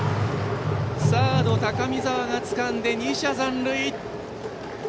サード、高見澤がつかんで２者残塁。